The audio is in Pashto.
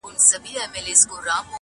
يوه شار ته دې د سرو سونډو زکات ولېږه~